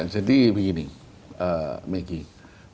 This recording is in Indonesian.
jadi begini maggie